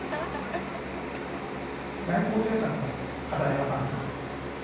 外交政策も課題は山積です。